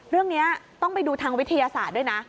เรื่องนี้ต้องไปดูทางวิทยาศาสตร์ด้วยนะ